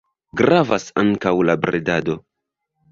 Gravas ankaŭ la bredado.